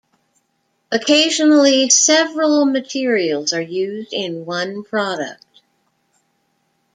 Occasionally several materials are used in one product.